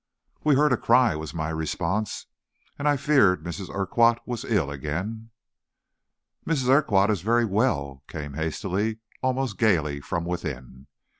"We heard a cry," was my response, "and I feared Mrs. Urquhart was ill again." "Mrs. Urquhart is very well," came hastily, almost gayly, from within.